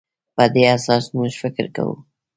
په دې اساس موږ فکر کوو.